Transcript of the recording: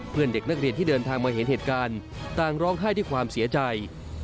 เพื่อนเด็กนักเรียนที่เดินทางมาเห็นเหตุการณ์ต่างร้องไห้ด้วยความเสียใจ